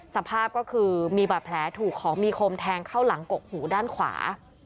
สภาพก็คือมีบาดแผลถูกของมีคมแทงเข้าหลังกกหูด้านขวา